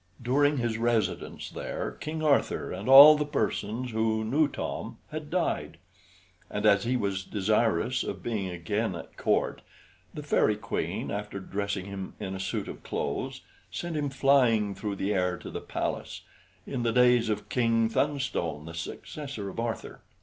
During his residence there, King Arthur, and all the persons who knew Tom, had died; and as he was desirous of being again at court, the fairy queen, after dressing him in a suit of clothes, sent him flying through the air to the palace, in the days of King Thunstone, the successor of Arthur.